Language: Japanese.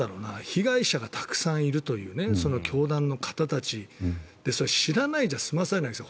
被害者がたくさんいるというその教団の方たち知らないじゃ済まされないです。